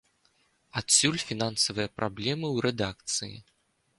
Адсюль фінансавыя праблемы ў рэдакцыі.